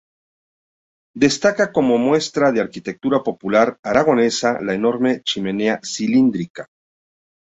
Destaca como muestra de arquitectura popular aragonesa la enorme chimenea cilíndrica.